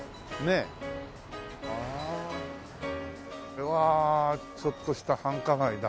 うわあちょっとした繁華街だ。